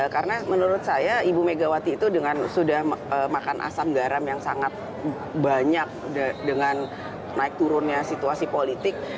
karena menurut saya ibu megawati itu dengan sudah makan asam garam yang sangat banyak dengan naik turunnya situasi politik